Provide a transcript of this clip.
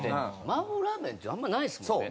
マーボラーメンってあんまないですもんね。